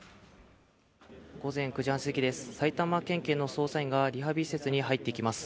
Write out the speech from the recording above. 午前９時半過ぎです、埼玉県警の捜査員がリハビリ施設に入っていきます。